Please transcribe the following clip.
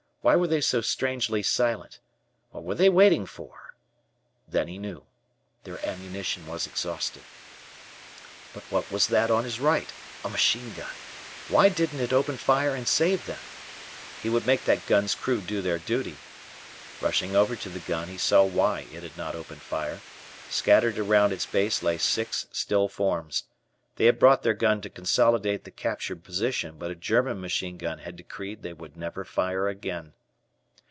Why were they so strangely silent? What were they waiting for? Then he knew their ammunition was exhausted. But what was that on his right? A machine gun. Why didn't it open fire and save them? He would make that gun's crew do their duty. Rushing over to the gun, he saw why it had not opened fire. Scattered around its base lay six still forms. They had brought their gun to consolidate the captured position, but a German machine gun had decreed they would never fire again.